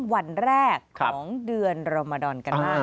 วันแรกของเดือนรมดอนกันบ้าง